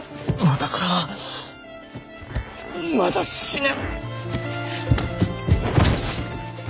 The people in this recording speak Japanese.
私はまだ死ねん。